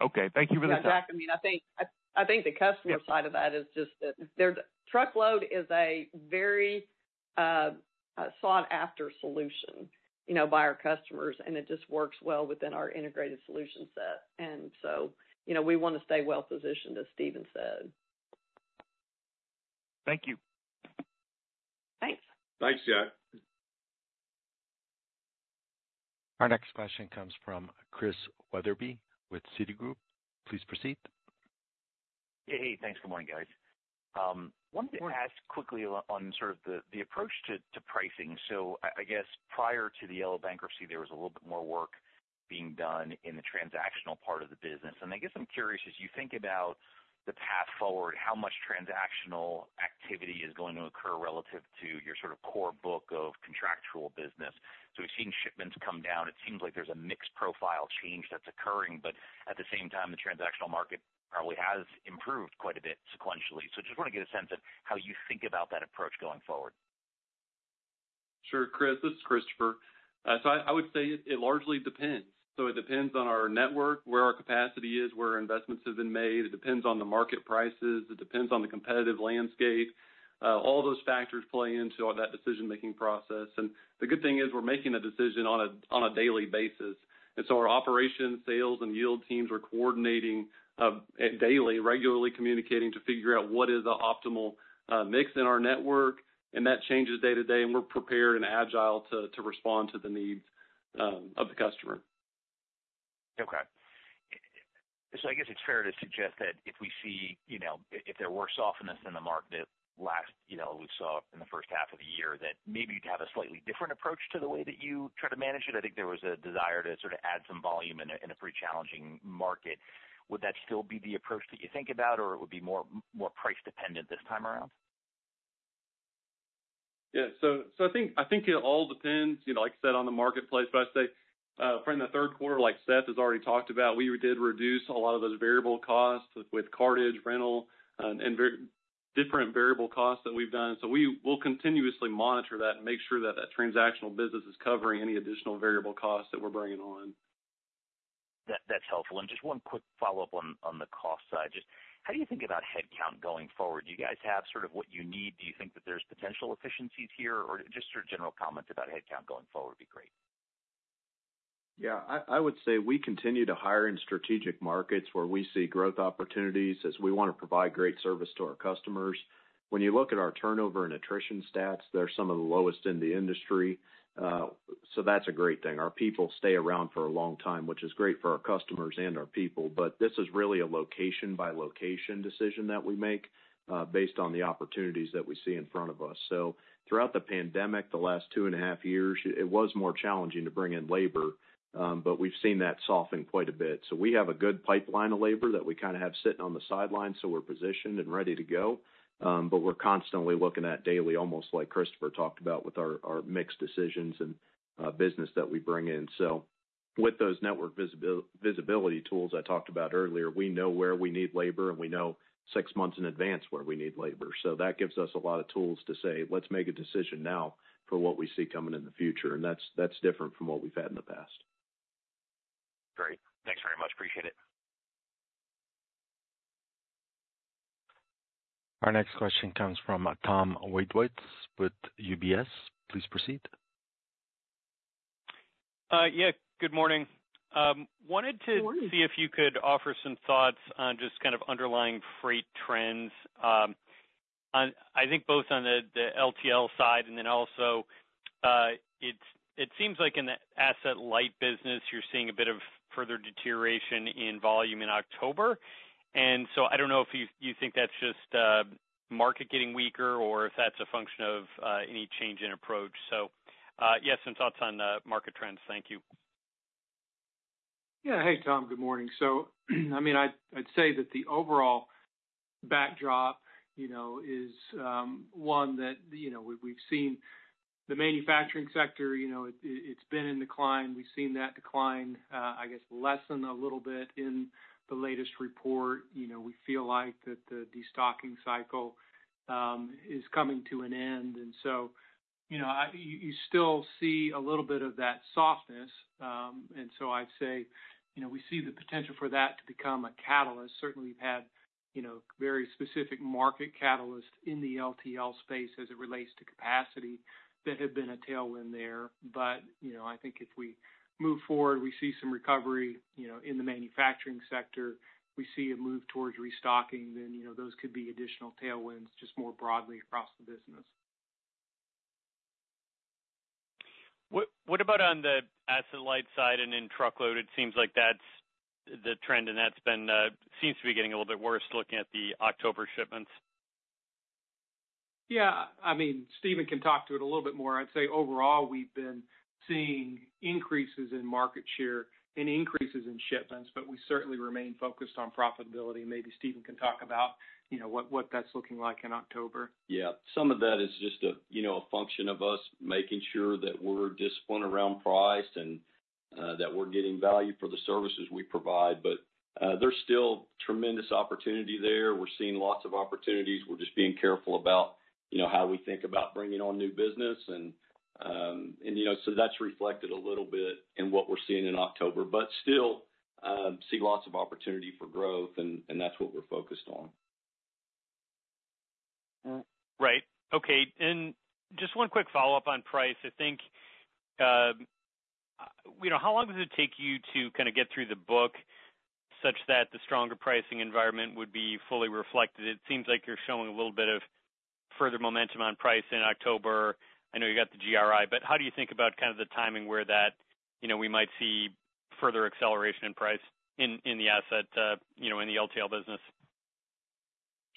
S12: Okay, thank you for the time.
S3: Yeah, Jack, I mean, I think, I think the customer side of that is just that their truckload is a very sought-after solution, you know, by our customers, and it just works well within our integrated solution set. And so, you know, we want to stay well positioned, as Steven said.
S12: Thank you.
S3: Thanks.
S9: Thanks, Jack.
S1: Our next question comes from Chris Wetherbee with Citigroup. Please proceed.
S13: Hey, thanks. Good morning, guys. Wanted to ask quickly on sort of the approach to pricing. So I guess prior to the Yellow bankruptcy, there was a little bit more work being done in the transactional part of the business. And I guess I'm curious, as you think about the path forward, how much transactional activity is going to occur relative to your sort of core book of contractual business? So we've seen shipments come down. It seems like there's a mixed profile change that's occurring, but at the same time, the transactional market probably has improved quite a bit sequentially. So just want to get a sense of how you think about that approach going forward.
S9: Sure, Chris, this is Christopher. So I would say it largely depends. So it depends on our network, where our capacity is, where our investments have been made. It depends on the market prices, it depends on the competitive landscape. All those factors play into that decision-making process. And the good thing is we're making a decision on a daily basis. And so our operations, sales, and yield teams are coordinating daily, regularly communicating to figure out what is the optimal mix in our network. And that changes day to day, and we're prepared and agile to respond to the needs of the customer.
S13: Okay. So I guess it's fair to suggest that if we see, you know, if there were softness in the market last... You know, we saw in the first half of the year, that maybe you'd have a slightly different approach to the way that you try to manage it. I think there was a desire to sort of add some volume in a pretty challenging market. Would that still be the approach that you think about, or it would be more price dependent this time around?
S9: Yeah. So I think it all depends, you know, like I said, on the marketplace. But I'd say from the third quarter, like Seth has already talked about, we did reduce a lot of those variable costs with cartage, rental, and different variable costs that we've done. So we will continuously monitor that and make sure that that transactional business is covering any additional variable costs that we're bringing on.
S13: That, that's helpful. And just one quick follow-up on the cost side. Just how do you think about headcount going forward? Do you guys have sort of what you need? Do you think that there's potential efficiencies here, or just your general comment about headcount going forward would be great.
S5: Yeah, I would say we continue to hire in strategic markets where we see growth opportunities as we want to provide great service to our customers. When you look at our turnover and attrition stats, they're some of the lowest in the industry. So that's a great thing. Our people stay around for a long time, which is great for our customers and our people. But this is really a location-by-location decision that we make, based on the opportunities that we see in front of us. So throughout the pandemic, the last 2.5 years, it was more challenging to bring in labor, but we've seen that soften quite a bit. So we have a good pipeline of labor that we kind of have sitting on the sidelines, so we're positioned and ready to go. But we're constantly looking at daily, almost like Christopher talked about, with our mixed decisions and business that we bring in. So with those network visibility tools I talked about earlier, we know where we need labor, and we know six months in advance where we need labor. So that gives us a lot of tools to say, "Let's make a decision now for what we see coming in the future." And that's different from what we've had in the past.
S13: Great. Thanks very much. Appreciate it.
S1: Our next question comes from Tom Wadewitz with UBS. Please proceed....
S14: Yeah, good morning. Wanted to-
S4: Good morning.
S14: See if you could offer some thoughts on just kind of underlying freight trends. I think both on the LTL side, and then also, it seems like in the asset-light business, you're seeing a bit of further deterioration in volume in October. I don't know if you think that's just market getting weaker or if that's a function of any change in approach. Yeah, some thoughts on market trends. Thank you.
S4: Yeah. Hey, Tom, good morning. So I mean, I'd say that the overall backdrop, you know, is one that, you know, we've seen the manufacturing sector, you know, it's been in decline. We've seen that decline, I guess, lessen a little bit in the latest report. You know, we feel like that the destocking cycle is coming to an end. And so, you know, you still see a little bit of that softness. And so I'd say, you know, we see the potential for that to become a catalyst. Certainly, we've had, you know, very specific market catalyst in the LTL space as it relates to capacity that have been a tailwind there. You know, I think if we move forward, we see some recovery, you know, in the manufacturing sector, we see it move towards restocking, then, you know, those could be additional tailwinds, just more broadly across the business.
S14: What about on the Asset-Light side and in Truckload? It seems like that's the trend, and that's been, seems to be getting a little bit worse, looking at the October shipments.
S4: Yeah. I mean, Steven can talk to it a little bit more. I'd say overall, we've been seeing increases in market share and increases in shipments, but we certainly remain focused on profitability. Maybe Steven can talk about, you know, what that's looking like in October.
S9: Yeah. Some of that is just a, you know, a function of us making sure that we're disciplined around price and, that we're getting value for the services we provide. But, there's still tremendous opportunity there. We're seeing lots of opportunities. We're just being careful about, you know, how we think about bringing on new business. And, and, you know, so that's reflected a little bit in what we're seeing in October, but still, see lots of opportunity for growth, and, and that's what we're focused on.
S14: Right. Okay, and just one quick follow-up on price. I think, you know, how long does it take you to kind of get through the book such that the stronger pricing environment would be fully reflected? It seems like you're showing a little bit of further momentum on price in October. I know you got the GRI, but how do you think about kind of the timing where that, you know, we might see further acceleration in price in the asset, you know, in the LTL business?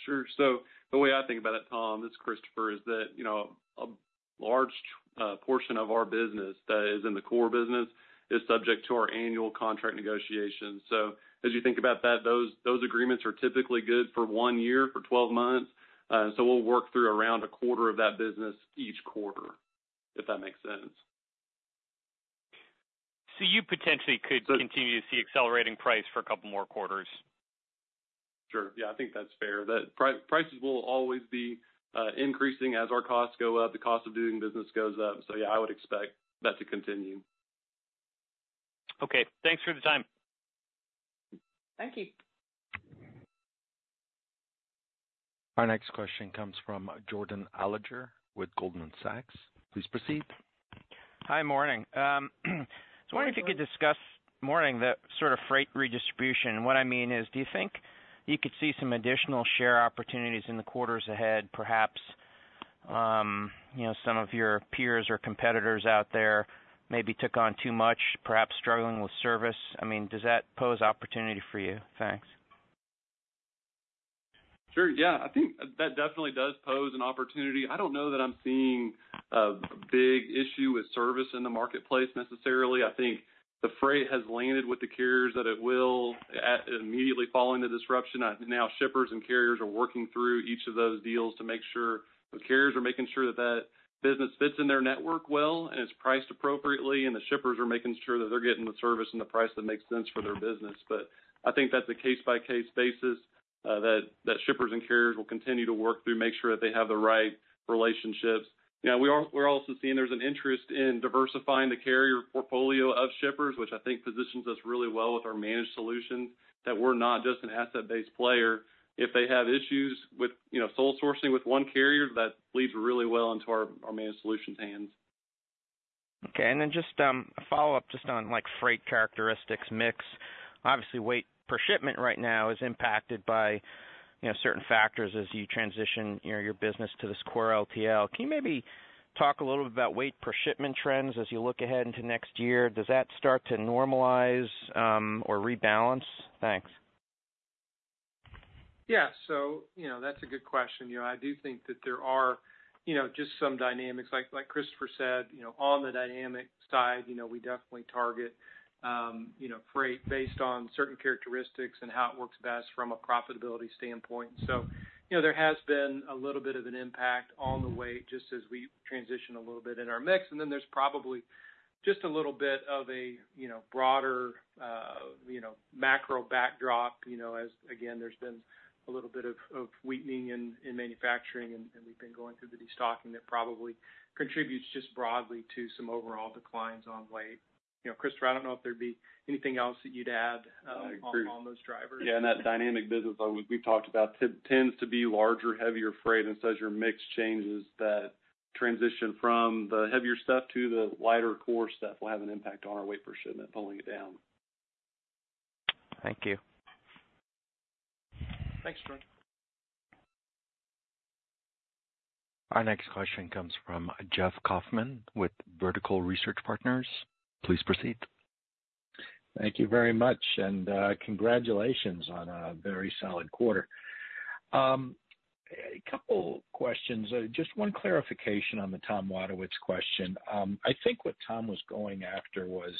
S9: Sure. So the way I think about it, Tom, it's Christopher, is that, you know, a large portion of our business that is in the core business is subject to our annual contract negotiations. So as you think about that, those, those agreements are typically good for one year, for 12 months, so we'll work through around a quarter of that business each quarter, if that makes sense.
S14: You potentially could continue to see accelerating price for a couple more quarters?
S9: Sure. Yeah, I think that's fair. The prices will always be increasing as our costs go up, the cost of doing business goes up. So yeah, I would expect that to continue.
S14: Okay, thanks for the time.
S4: Thank you.
S1: Our next question comes from Jordan Alliger with Goldman Sachs. Please proceed.
S15: Hi, morning. So I wonder if you could discuss morning, the sort of freight redistribution. What I mean is, do you think you could see some additional share opportunities in the quarters ahead, perhaps, you know, some of your peers or competitors out there maybe took on too much, perhaps struggling with service? I mean, does that pose opportunity for you? Thanks.
S9: Sure. Yeah, I think that definitely does pose an opportunity. I don't know that I'm seeing a big issue with service in the marketplace necessarily. I think the freight has landed with the carriers that it will, immediately following the disruption. Now, shippers and carriers are working through each of those deals to make sure the carriers are making sure that that business fits in their network well, and it's priced appropriately, and the shippers are making sure that they're getting the service and the price that makes sense for their business. But I think that's a case-by-case basis, that, that shippers and carriers will continue to work through, make sure that they have the right relationships. Now, we're also seeing there's an interest in diversifying the carrier portfolio of shippers, which I think positions us really well with our managed solution, that we're not just an asset-based player. If they have issues with, you know, sole sourcing with one carrier, that leads really well into our managed solutions hands.
S15: Okay, and then just a follow-up just on, like, freight characteristics mix. Obviously, weight per shipment right now is impacted by, you know, certain factors as you transition, you know, your business to this core LTL. Can you maybe talk a little bit about weight per shipment trends as you look ahead into next year? Does that start to normalize or rebalance? Thanks.
S4: Yeah. So, you know, that's a good question. You know, I do think that there are, you know, just some dynamics. Like Christopher said, you know, on the dynamic side, you know, we definitely target, you know, freight based on certain characteristics and how it works best from a profitability standpoint. So, you know, there has been a little bit of an impact on the weight, just as we transition a little bit in our mix, and then there's probably just a little bit of a, you know, broader, you know, macro backdrop, you know, as again, there's been a little bit of weakening in manufacturing, and we've been going through the destocking. That probably contributes just broadly to some overall declines on weight. You know, Christopher, I don't know if there'd be anything else that you'd add, on those drivers.
S9: Yeah, and that dynamic business we've talked about tends to be larger, heavier freight, and so as your mix changes, that transition from the heavier stuff to the lighter core stuff will have an impact on our weight per shipment, pulling it down....
S15: Thank you.
S6: Thanks, Brent.
S1: Our next question comes from Jeff Kauffman with Vertical Research Partners. Please proceed.
S16: Thank you very much, and congratulations on a very solid quarter. A couple questions. Just one clarification on the Tom Wadewitz question. I think what Tom was going after was,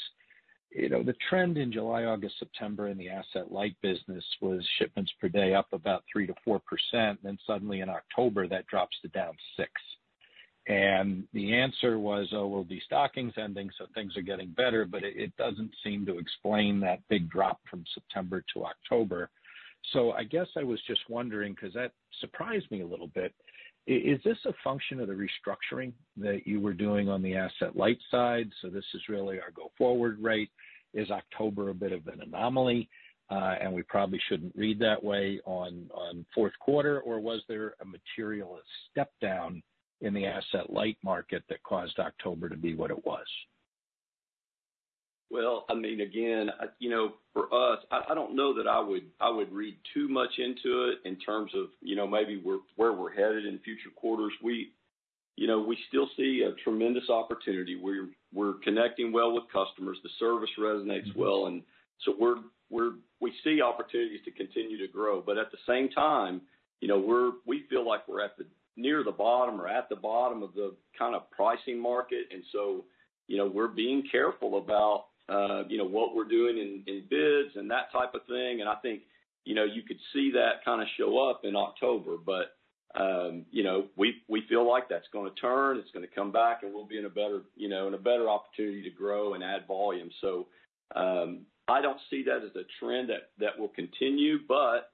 S16: you know, the trend in July, August, September, in the Asset-Light business was shipments per day up about 3%-4%, then suddenly in October, that drops to down 6%. And the answer was, oh, well, the destocking's ending, so things are getting better, but it doesn't seem to explain that big drop from September to October. So I guess I was just wondering, because that surprised me a little bit, is this a function of the restructuring that you were doing on the Asset-Light side? So this is really our go-forward rate. Is October a bit of an anomaly, and we probably shouldn't read that way on fourth quarter? Or was there a material step down in the Asset-Light market that caused October to be what it was?
S6: Well, I mean, again, you know, for us, I don't know that I would read too much into it in terms of, you know, maybe where we're headed in future quarters. We, you know, still see a tremendous opportunity. We're connecting well with customers. The service resonates well, and so we're we see opportunities to continue to grow. But at the same time, you know, we're we feel like we're at the near the bottom or at the bottom of the kind of pricing market, and so, you know, we're being careful about, you know, what we're doing in bids and that type of thing. And I think, you know, you could see that kind of show up in October. But, you know, we, we feel like that's going to turn, it's going to come back, and we'll be in a better, you know, in a better opportunity to grow and add volume. So, I don't see that as a trend that, that will continue, but,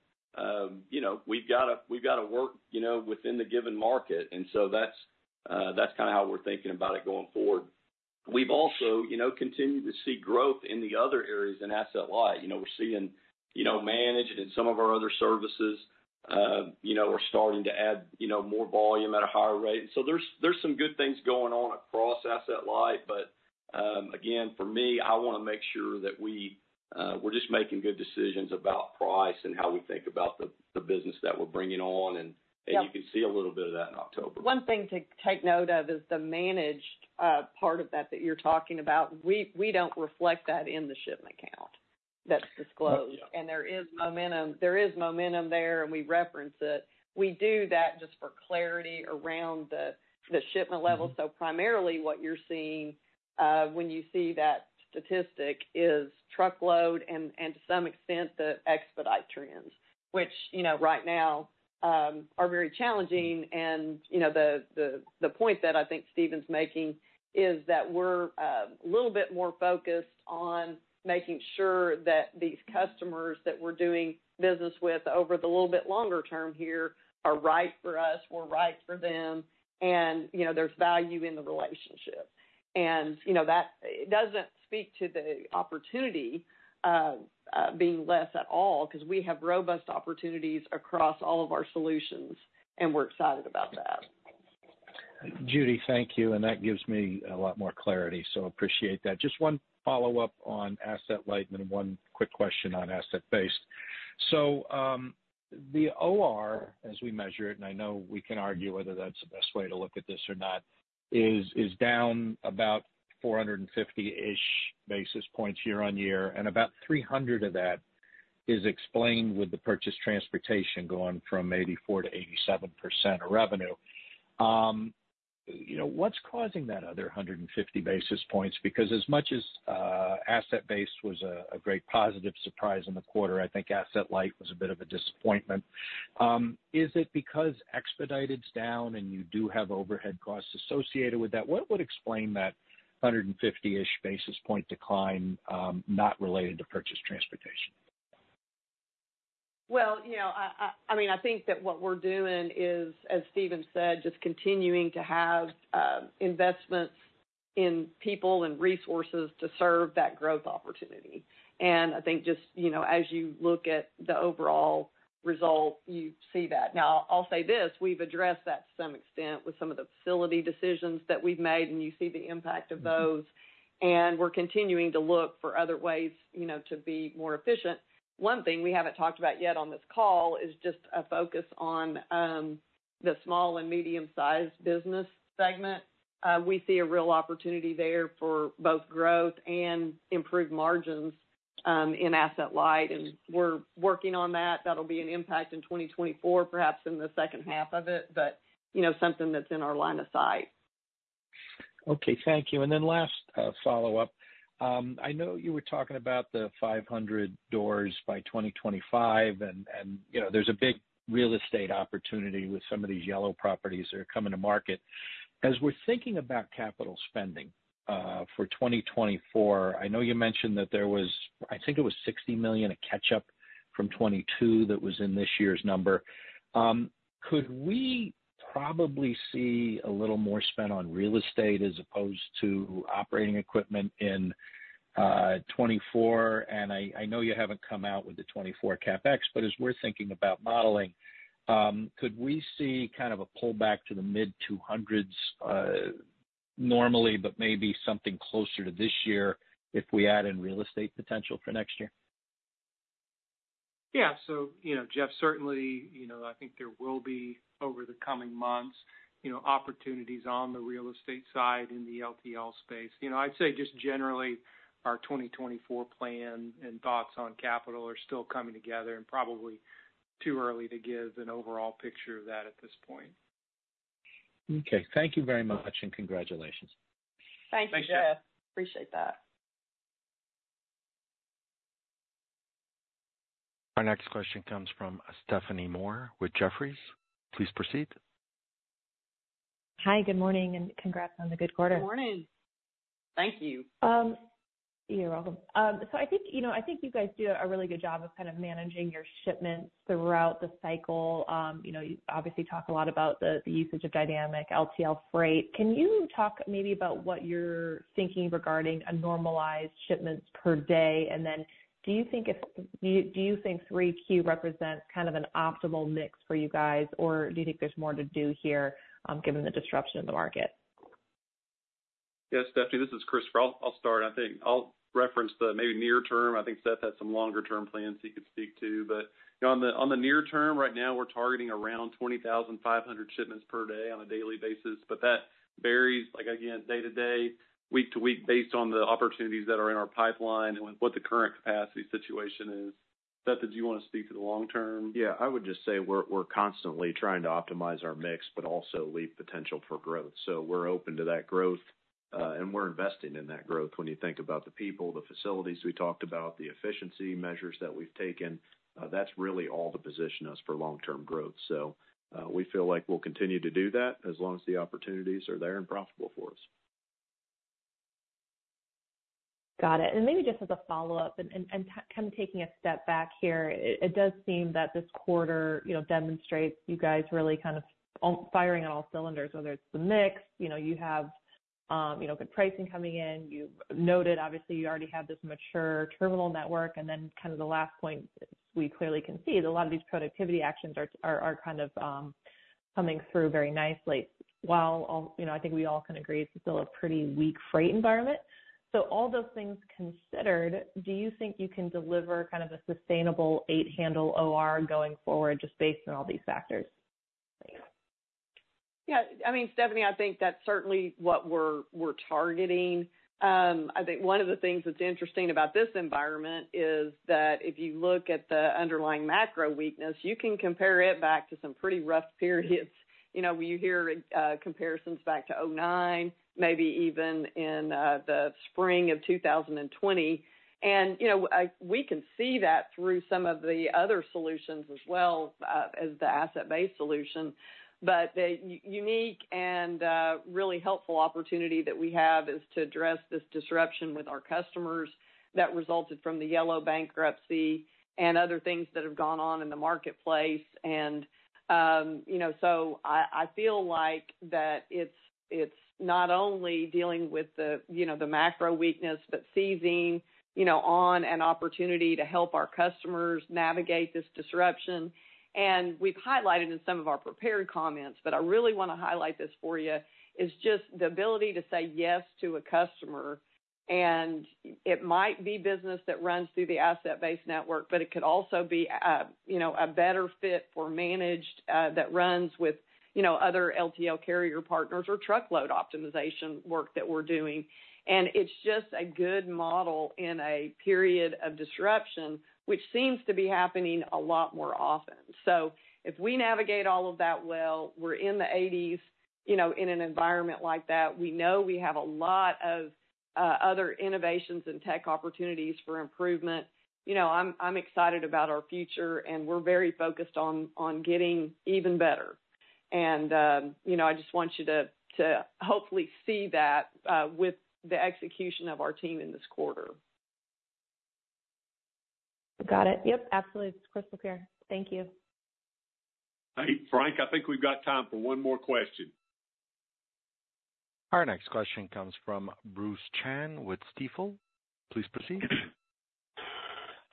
S6: you know, we've got to, we've got to work, you know, within the given market, and so that's, that's kind of how we're thinking about it going forward. We've also, you know, continued to see growth in the other areas in Asset-Light. You know, we're seeing, you know, managed and some of our other services, you know, are starting to add, you know, more volume at a higher rate. So there's some good things going on across Asset-Light, but again, for me, I want to make sure that we're just making good decisions about price and how we think about the business that we're bringing on.
S3: Yeah.
S6: You can see a little bit of that in October.
S3: One thing to take note of is the managed part of that that you're talking about. We, we don't reflect that in the shipment count that's disclosed.
S6: Yeah.
S3: There is momentum, there is momentum there, and we reference it. We do that just for clarity around the shipment level. So primarily, what you're seeing when you see that statistic is truckload and to some extent the expedite trends, which, you know, right now are very challenging. And, you know, the point that I think Steven's making is that we're a little bit more focused on making sure that these customers that we're doing business with over the little bit longer term here are right for us, we're right for them, and, you know, there's value in the relationship. And, you know, that doesn't speak to the opportunity being less at all, because we have robust opportunities across all of our solutions, and we're excited about that.
S16: Judy, thank you, and that gives me a lot more clarity, so appreciate that. Just one follow-up on Asset-Light and one quick question on Asset-Based. So, the OR, as we measure it, and I know we can argue whether that's the best way to look at this or not, is, is down about 450-ish basis points year-on-year, and about 300 of that is explained with the purchase transportation going from 84%-87% of revenue. You know, what's causing that other 150 basis points? Because as much as, Asset-Based was a, a great positive surprise in the quarter, I think Asset-Light was a bit of a disappointment. Is it because expedited's down and you do have overhead costs associated with that? What would explain that 150-ish basis point decline, not related to purchase transportation?
S3: Well, you know, I mean, I think that what we're doing is, as Steven said, just continuing to have investments in people and resources to serve that growth opportunity. And I think just, you know, as you look at the overall result, you see that. Now, I'll say this, we've addressed that to some extent with some of the facility decisions that we've made, and you see the impact of those.
S16: Mm-hmm.
S3: We're continuing to look for other ways, you know, to be more efficient. One thing we haven't talked about yet on this call is just a focus on the small and medium-sized business segment. We see a real opportunity there for both growth and improved margins in Asset-Light, and we're working on that. That'll be an impact in 2024, perhaps in the second half of it, but, you know, something that's in our line of sight.
S16: Okay, thank you. Then last follow-up. I know you were talking about the 500 doors by 2025, and you know, there's a big real estate opportunity with some of these Yellow properties that are coming to market. As we're thinking about capital spending for 2024, I know you mentioned that there was, I think it was $60 million, a catch up from 2022, that was in this year's number. Could we probably see a little more spent on real estate as opposed to operating equipment in 2024? And I know you haven't come out with the 2024 CapEx, but as we're thinking about modeling, could we see kind of a pullback to the mid-200s dollars normally, but maybe something closer to this year if we add in real estate potential for next year?
S3: Yeah. So, you know, Jeff, certainly, you know, I think there will be, over the coming months, you know, opportunities on the real estate side in the LTL space. You know, I'd say just generally, our 2024 plan and thoughts on capital are still coming together and probably too early to give an overall picture of that at this point.
S16: Okay. Thank you very much, and congratulations.
S3: Thank you, Jeff.
S9: Thank you.
S3: Appreciate that.
S1: Our next question comes from Stephanie Moore with Jefferies. Please proceed.
S17: Hi, good morning, and congrats on the good quarter.
S3: Good morning. Thank you.
S17: You're welcome. So I think, you know, I think you guys do a really good job of kind of managing your shipments throughout the cycle. You know, you obviously talk a lot about the usage of dynamic LTL freight. Can you talk maybe about what you're thinking regarding a normalized shipments per day? And then do you think 3Q represents kind of an optimal mix for you guys, or do you think there's more to do here, given the disruption in the market?
S9: Yes, Stephanie, this is Christopher. I'll start. I think I'll reference the maybe near term. I think Seth has some longer-term plans he could speak to. But, you know, on the, on the near term, right now we're targeting around 20,500 shipments per day on a daily basis, but that varies, like, again, day to day, week to week, based on the opportunities that are in our pipeline and what the current capacity situation is. Seth, did you want to speak to the long term?
S18: Yeah, I would just say we're constantly trying to optimize our mix but also leave potential for growth. So we're open to that growth, and we're investing in that growth. When you think about the people, the facilities we talked about, the efficiency measures that we've taken, that's really all to position us for long-term growth. So, we feel like we'll continue to do that as long as the opportunities are there and profitable for us.
S17: Got it. And maybe just as a follow-up and kind of taking a step back here, it does seem that this quarter, you know, demonstrates you guys really kind of all firing on all cylinders, whether it's the mix, you know, you have good pricing coming in. You've noted, obviously, you already have this mature terminal network. And then kind of the last point, we clearly can see that a lot of these productivity actions are kind of coming through very nicely, while you know, I think we all can agree it's still a pretty weak freight environment. So all those things considered, do you think you can deliver kind of a sustainable 8 handle OR going forward, just based on all these factors? Thanks.
S3: Yeah. I mean, Stephanie, I think that's certainly what we're, we're targeting. I think one of the things that's interesting about this environment is that if you look at the underlying macro weakness, you can compare it back to some pretty rough periods. You know, you hear comparisons back to '09, maybe even in the spring of 2020. And, you know, we can see that through some of the other solutions as well, as the Asset-Based solution. But the unique and really helpful opportunity that we have is to address this disruption with our customers that resulted from the Yellow bankruptcy and other things that have gone on in the marketplace. You know, so I feel like it's not only dealing with the, you know, the macro weakness, but seizing, you know, on an opportunity to help our customers navigate this disruption. We've highlighted in some of our prepared comments, but I really want to highlight this for you: it is just the ability to say yes to a customer. It might be business that runs through the asset-based network, but it could also be, you know, a better fit for managed that runs with, you know, other LTL carrier partners or truckload optimization work that we're doing. It's just a good model in a period of disruption, which seems to be happening a lot more often. So if we navigate all of that well, we're in the eighties, you know, in an environment like that, we know we have a lot of other innovations and tech opportunities for improvement. You know, I'm, I'm excited about our future, and we're very focused on, on getting even better. You know, I just want you to, to hopefully see that, with the execution of our team in this quarter.
S17: Got it. Yep, absolutely, crystal clear. Thank you.
S9: Hey, Frank, I think we've got time for one more question.
S1: Our next question comes from Bruce Chan with Stifel. Please proceed.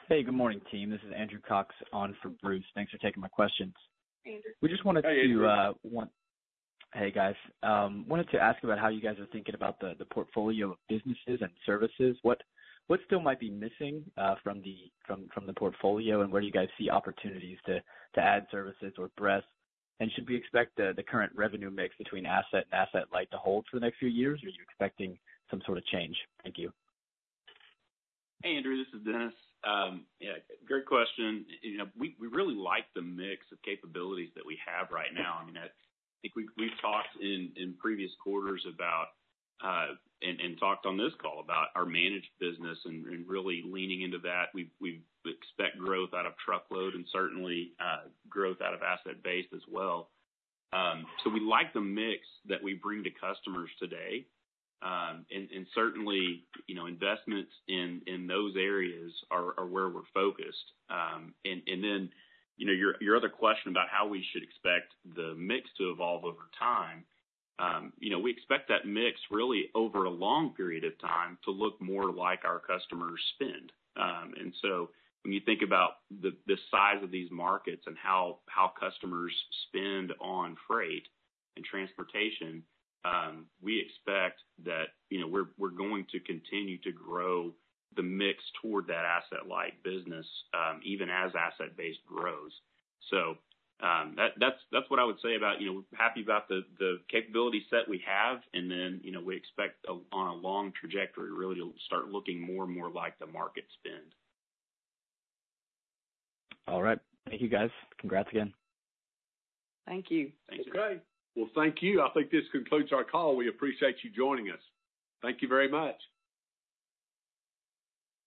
S19: Hey, good morning, team. This is Andrew Cox on for Bruce. Thanks for taking my questions.
S3: Andrew.
S19: We just wanted to,
S9: Hey, Andrew.
S19: Hey, guys. Wanted to ask about how you guys are thinking about the portfolio of businesses and services. What still might be missing from the portfolio, and where do you guys see opportunities to add services or breadth? And should we expect the current revenue mix between asset and asset light to hold for the next few years, or are you expecting some sort of change? Thank you.
S18: Hey, Andrew, this is Dennis. Yeah, great question. You know, we really like the mix of capabilities that we have right now. I mean, I think we've talked in previous quarters about and talked on this call about our managed business and really leaning into that. We expect growth out of truckload and certainly growth out of asset-based as well. So we like the mix that we bring to customers today. And certainly, you know, investments in those areas are where we're focused. And then, you know, your other question about how we should expect the mix to evolve over time, you know, we expect that mix really over a long period of time to look more like our customers spend. And so when you think about the size of these markets and how customers spend on freight and transportation, we expect that, you know, we're going to continue to grow the mix toward that Asset-Light business, even as Asset-Based grows. So, that's what I would say about, you know, happy about the capability set we have, and then, you know, we expect on a long trajectory, really to start looking more and more like the market spend.
S19: All right. Thank you, guys. Congrats again.
S3: Thank you.
S9: Okay. Well, thank you. I think this concludes our call. We appreciate you joining us. Thank you very much.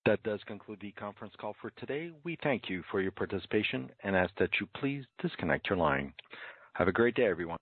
S1: That does conclude the conference call for today. We thank you for your participation and ask that you please disconnect your line. Have a great day, everyone.